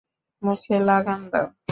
মুখে লাগাম দাও।